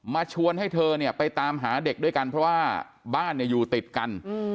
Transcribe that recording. ชวนให้เธอเนี่ยไปตามหาเด็กด้วยกันเพราะว่าบ้านอยู่ติดกัน